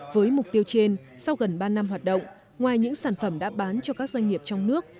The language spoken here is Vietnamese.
với mục tiêu trên sau gần ba năm hoạt động ngoài những sản phẩm đã bán cho các doanh nghiệp trong nước